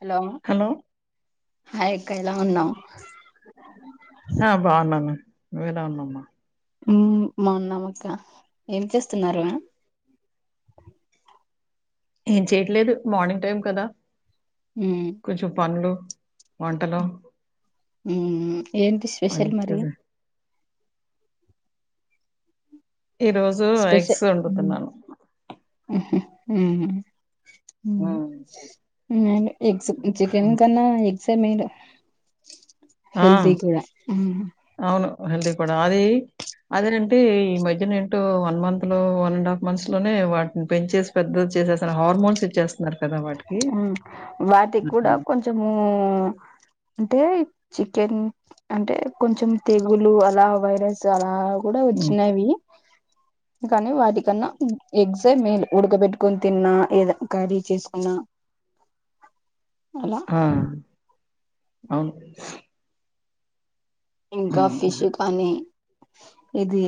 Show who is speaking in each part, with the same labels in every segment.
Speaker 1: Hello హాయక్క ఎలా ఉన్నావ్
Speaker 2: ఆ బాగున్నాను నువ్వెల ఉన్నమ్మా
Speaker 1: ఉమ్ బాన్నమక్క ఏం చేస్తున్నారు
Speaker 2: ఏం చేయట్లేదు మార్నింగ్ టైం కదా కొంచెం పండ్లు
Speaker 1: ఉ ఊ ఏంటి
Speaker 2: అయి
Speaker 1: స్పెషల్ మరి
Speaker 2: ఇది ఈరోజు
Speaker 1: స్పెష
Speaker 2: ఎగ్స్ వండుతున్నాను.
Speaker 1: ఉహు ఉ
Speaker 2: హ్మ్.
Speaker 1: మ్ ఎగ్సు చికెన్
Speaker 2: హ్మ్.
Speaker 1: కన్నా ఎ గ్సే మేలు హెల్తీ కూడా
Speaker 2: హెల్ది కూడా అదీ అదే అంటే ఈ మధ్యన ఏంటో వన్ మంత్ లో వన్ అండ్ హాఫ్ మంత్స్ లోనే వాటిని పెంచేసి పెద్ద చేసేస్తన్నారు హార్మోన్స్ ఇచ్చేస్తన్నారు
Speaker 1: ఉ వాటిక్కూడ కొంచము అంటే చికెన్ అంటే కొంచెం తెగులు అలా వైరస్ అలా కూడా
Speaker 2: హ్మ్.
Speaker 1: వచ్చినవి కానీ వాటికన్నా ఎగ్సే మేయి ఉడకబెట్టుకొని తిన్నా ఏదా కరీ చేసుకున్నా అలా
Speaker 2: ఆ! అవును
Speaker 1: ఇంకా
Speaker 2: హ్మ్.
Speaker 1: ఫిషు
Speaker 2: హ్మ్.
Speaker 1: కానీ ఇది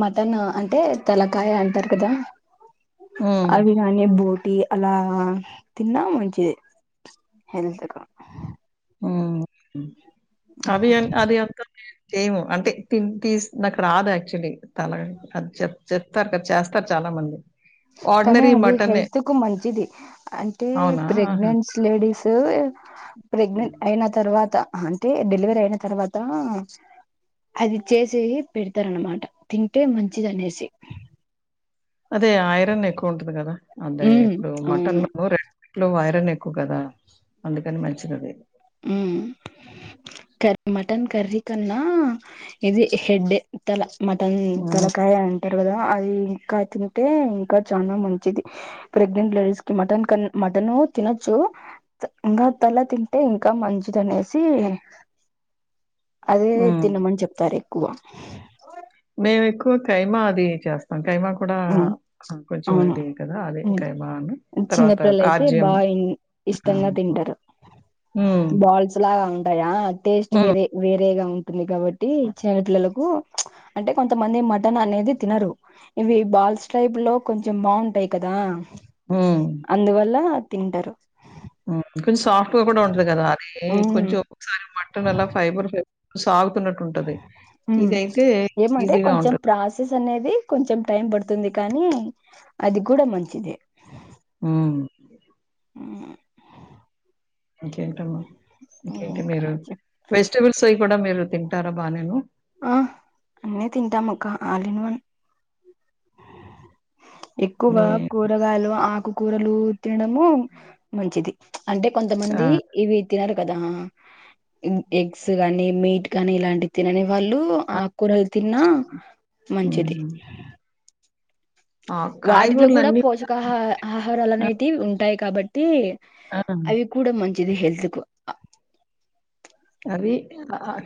Speaker 1: మ టను అంటే తలకాయ అంటారు కదా
Speaker 2: హ్మ్.
Speaker 1: అవి గాని బూట్ టి అలాగా తిన్నా మంచిదె హెల్తుకు
Speaker 2: ఊ అది ఎం అది ఎంత కి చేము అంటే తిన్ తీస్ నాకి రాదు యాక్చువల్లీ తల అది చె చెప్తారు క చేస్తారు చాలా మంది
Speaker 1: కానీ
Speaker 2: ఆర్డినరీ
Speaker 1: అది
Speaker 2: మటనే.
Speaker 1: హెల్త్ కు మంచిది అంటే
Speaker 2: అవునా? ఆహా!
Speaker 1: ప్రెగ్నెంట్స్ లేడీస్ టు
Speaker 2: హ్మ్.
Speaker 1: ప్రెగ్నెంట్ అయిన తర్వాత అంటే డెలివరీ అయిన తర్వాత అది చేసి పెడతారనమాట తింటే మంచిదనేసి
Speaker 2: అదే ఐరన్ ఎక్కువ ఉంటుంది కదా అదే
Speaker 1: ఉమ్
Speaker 2: ఇప్పుడు
Speaker 1: అవును
Speaker 2: మటను రేట్లూ ఐరన్ ఎక్కువ కదా అందుకని మంచిదది
Speaker 1: ఉ కర్ మటన్ కర్రీ కన్నా ఇది హెడ్డే తల మటన్
Speaker 2: హ్మ్.
Speaker 1: తలకాయ అం టారు గద అది ఇంకా తింటే ఇంకా చాలా మంచిది ప్రెగ్నెంట్ లేడీస్ కి మటన్ కన్ మటను తినొచ్చు ఇంగా తల తిం టే ఇంకా మంచిది అనేసి అదే
Speaker 2: హ్మ్.
Speaker 1: తినమని చెప్తారు క్కువ
Speaker 2: మేము ఎక్కువ కైమా అది చేస్తాం ఖైమా కూడా కొంచెం
Speaker 1: అవును
Speaker 2: హెల్దీ యే కదా అది ఖైమా అని తర్వాత
Speaker 1: చిన్నపిల్లలు అయితే
Speaker 2: కార్జెయము
Speaker 1: బాగా ఇష్టంగా తింటారు
Speaker 2: హ్మ్.
Speaker 1: బాల్స్ లాగా వుంటాయా టేస్ట్
Speaker 2: హ్మ్.
Speaker 1: వేరే వేరేగా ఉం ఉంటుంది కాబట్టి చిన్నపిల్లలకు అంటే కొంతమంది మటన్ అనేది తినరు ఇవి బాల్స్ టైప్ లో కొంచెం బాంటాయి కదా
Speaker 2: హ్మ్.
Speaker 1: అందువల్ల తింటరు
Speaker 2: ఉ కొంచెం సాఫ్ట్ గా కూడా ఉంటది కదా అది
Speaker 1: ఉమ్
Speaker 2: కొంచెం ఒకసారి మటన్ అలా ఫైబర్ ఫై సాగుతు నట్ట్
Speaker 1: ఉ ఏమంటే
Speaker 2: ఈజీగా
Speaker 1: కొంచెం
Speaker 2: ఉంటది.
Speaker 1: ప్రాసెస్ అనేది కొంచెం టైం బడ్ తుంది కానీ అది కూడా మంచిదే
Speaker 2: ఊ
Speaker 1: ఊ
Speaker 2: ఇంకేంటమ్మా ఇంకేంటి
Speaker 1: ఇంకా
Speaker 2: మీరు
Speaker 1: చెప్
Speaker 2: వెజిటబుల్స్ అవి కూడా మీరు తింటారా బా నేను
Speaker 1: ఆ అన్ని తింటాం అక్క ఆల్ ఇన్ వన్ ఎక్కువగ
Speaker 2: మీ
Speaker 1: కూరగాయలు ఆకుకూరలు తినడము మంచిది అంటే
Speaker 2: ఆ!
Speaker 1: కొంతమంది ఇవి తినరు కదా ఎగ్స్ గానీ మీట్ కానీ ఇలాంటి తిననే వాళ్ళు
Speaker 2: ఆ!
Speaker 1: ఆకుకూరలు తిన్నా మంచిది
Speaker 2: హ్మ్. ఆ
Speaker 1: వాటిలో కూడా
Speaker 2: కాయగూరలన్నీ
Speaker 1: పోషకహ ఆహారాలు
Speaker 2: ఆ!
Speaker 1: అనేటిది ఉంటాయి కాబట్టి
Speaker 2: ఆ!
Speaker 1: అవి కూడా మంచిది హెల్త్ కు
Speaker 2: అవి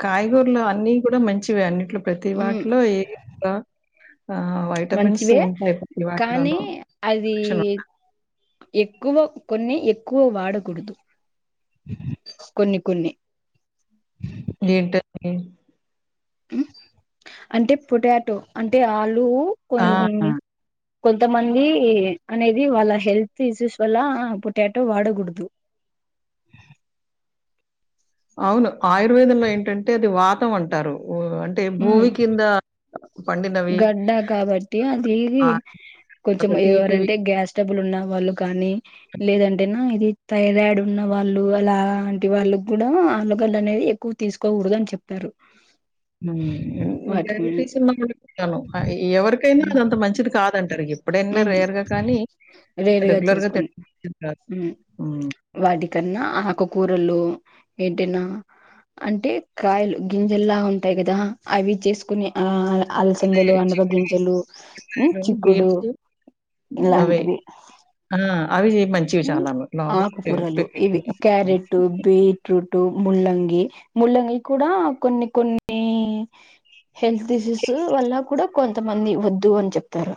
Speaker 2: కాయగూరలో అన్ని కూడా మంచివే అన్నిట్లో ప్రతి
Speaker 1: మ్
Speaker 2: వాట్లు ఏ గ ఆ వైటమిన్స్ ఉంటాయి ప్రతి వాటిలోనూ
Speaker 1: ఇది
Speaker 2: పోషణ
Speaker 1: ఎక్కువ కొన్ని ఎక్కువ వాడకూడదు కొన్ని కొన్ని
Speaker 2: ఏంటో
Speaker 1: మ్ అంటే పొటాటో అంటే ఆలు ఉ కొన్ని
Speaker 2: ఆ!
Speaker 1: కొంతమంది అనేవి వాళ్ళ హెల్త్ ఇష్యూస్ వల్ల పొటాటో వాడకూడదు
Speaker 2: అవును ఆయుర్వేదంలో ఏంటంటే అది వాతం అంటారు ఓ అంటే
Speaker 1: మ్
Speaker 2: భూమి కింద పండినవి.
Speaker 1: గడ్డ కాబట్టి అది
Speaker 2: ఆ
Speaker 1: కొంచెం
Speaker 2: తర్వాత తీపివి
Speaker 1: ఎవరంటే గ్యాస్ స్టబ్బులు ఉన్నా వాళ్ళు కానీ లేదంటే నా ఇది థైరాడ్ ఉన్న వాళ్ళు అలాంటి వాళ్ళు కూడా ఆళ్లుగళ్ళు అనేది ఎక్కువ తీసుకోకూడదు అని చెప్పా రూ
Speaker 2: మ్ డయాబెటీస్ ఉన్నా [unintelligible] ఆ ఏ ఎవరికైనా అదంత మంచిది కాదు కాదంటారుగా
Speaker 1: హ్మ్ వేరుగా
Speaker 2: రెగ్యులర్‌గా
Speaker 1: చేసుకుని
Speaker 2: తినడం మంచిది కాదు.
Speaker 1: హ్మ్
Speaker 2: హ్మ్.
Speaker 1: వాటికన్నా ఆకు కూరలు ఏంటైనా అంటే కాయలు గింజల్లా ఉంటాయి కదా అవి చేసుకుని ఆ అలసందలు
Speaker 2: అంటే
Speaker 1: ఆనప గింజలు
Speaker 2: చిక్కుడుకాయలును,
Speaker 1: చిక్కుడు
Speaker 2: బీన్స్ అవే.
Speaker 1: ఇలాంటివి
Speaker 2: ఆ! అవి మంచివి చాలాను. లోపల
Speaker 1: ఆకు కూరలు ఇవి
Speaker 2: పికిల్
Speaker 1: క్యారెట్ బీట్రూట్ ముళ్ళంగి ముల్లంగి కూడా కొన్ని కొన్ని హెల్త్ ఇష్యూస్ వల్ల కూడా కొంతమంది వద్దు అని చెప్తారు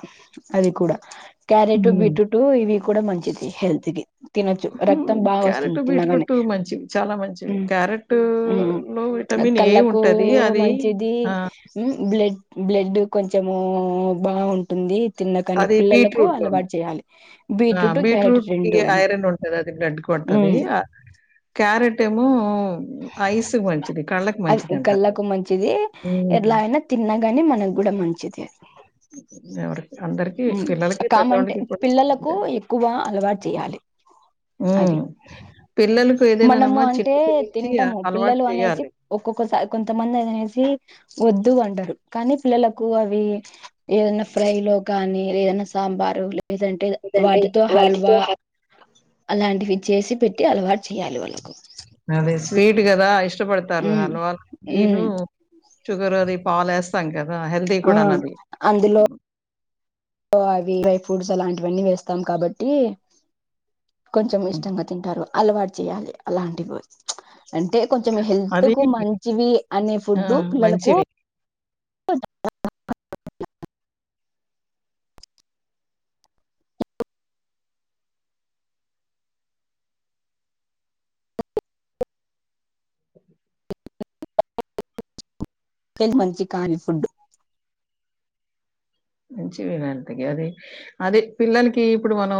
Speaker 1: అది కూడా క్యారెట్
Speaker 2: హ్మ్.
Speaker 1: బీట్రూటు ఇవి కూడా మంచిది హెల్త్ కి తినొచ్చు రక్తం
Speaker 2: హ్మ్.
Speaker 1: బాగా వస్తుంది
Speaker 2: క్యారెట్,
Speaker 1: తినగానే
Speaker 2: బీట్రూట్ మంచివి. చాలా మంచివి. క్యారెట్‌లో విటమిన్ ఏ
Speaker 1: కళ్ళకు
Speaker 2: ఉంటది. అది
Speaker 1: మంచిది
Speaker 2: ఆ!
Speaker 1: బ్లడ్ బ్లడ్ కొంచము బావుంటుంది తిన్న కాని
Speaker 2: అది
Speaker 1: పిల్లలకు అలవాటు చేయాలి బీట్రూట్ క్యారెట్
Speaker 2: బీట్రూట్ కి
Speaker 1: రెండును
Speaker 2: ఐరన్ ఉంటది అది బ్లడ్ కొడతది
Speaker 1: ఉమ్,
Speaker 2: క్యారెట్ ఏమో ఐస్‌కి మంచిది. కళ్ళకి
Speaker 1: అది కళ్ల
Speaker 2: మంచిదంటారు.
Speaker 1: కు మంచిది
Speaker 2: హ్మ్.
Speaker 1: ఎలా అయినా తిన్నాగాని మన కూడా మంచిది
Speaker 2: ఎవరికి అందరికి పిల్లలకి,
Speaker 1: కామంటే
Speaker 2: పెద్దవాళ్ళకి కూడా
Speaker 1: పిల్లలకు
Speaker 2: మంచిదే.
Speaker 1: ఎక్కువ అలవాటు చేయాలి అవి
Speaker 2: హ్మ్ పిల్లలు
Speaker 1: మనము అంటే తింటాము
Speaker 2: అలవాటు
Speaker 1: పిల్లలు అనేసి
Speaker 2: చేయాలి.
Speaker 1: ఒక్కొక్కసారి కొంతమంది అనేసి వద్దు అంటరు కానీ పిల్లలకు అవి ఏదన్నా ఫ్రై లో కానీ ఏదైనా సాంబారు లేదంటే
Speaker 2: లేదంటే
Speaker 1: వాటితో
Speaker 2: వాటితో
Speaker 1: హల్వా
Speaker 2: హ
Speaker 1: అలాంటివి చేసి పెట్టి అలవాటు చెయ్యాలి వాళ్లకు
Speaker 2: అదే స్వీట్ కదా ఇష్టపడతారు
Speaker 1: ఉమ్
Speaker 2: హల్వాలు
Speaker 1: ఉమ్
Speaker 2: కిను షుగర్ అది పాలేస్తాం కదా హెల్తీ
Speaker 1: ఆ
Speaker 2: కూడా అన్నది
Speaker 1: అందులో అవి ఫ్రుడ్స్ అలాంటివన్నీ వేస్తాం కాబట్టి కొంచెం
Speaker 2: హ్మ్.
Speaker 1: ఇష్టంగా తింటారు అలవాటు చేయాలి అలాంటివి అంటే, కొంచెం హెల్త్
Speaker 2: అది
Speaker 1: కు మంచివి అనే
Speaker 2: ఆ!
Speaker 1: ఫుడ్ పిల్లలకు
Speaker 2: మంచివి.
Speaker 1: [unintelligible] మంచి ఖానీ ఫుడ్డు
Speaker 2: మంచి వినంతకి అది అదే పిల్లలకి ఇప్పుడు మనం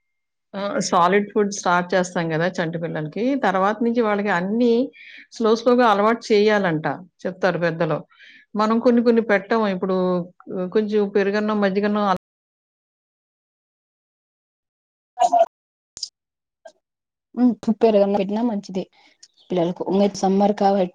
Speaker 1: [unintelligible]
Speaker 2: సాలిడ్ ఫుడ్ స్టార్ట్ చేస్తాం కదా చంటిపిల్లలకి తర్వాత నుంచి వాళ్ళకి అన్ని స్లో గా అలవాటు చేయాలంట చెప్తారు పెద్దలో మనం కొన్ని కొన్ని పెట్ట ఇప్పుడు కొంచెం పెరుగన్నం, మజ్జిగన్నం
Speaker 1: పెరుగన్నం పెట్టిన మంచిదే పిల్లలకు ఉంగ సమ్మర్ కాబట్టి